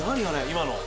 今の。